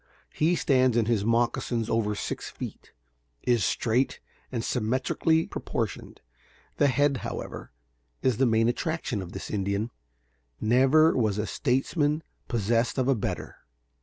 He stands in his moccasins over six feet; is straight and symmetrically proportioned. The head, however, is the main attraction of this Indian. Never was a statesman possessed of a better.